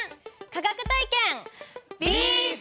科学体験！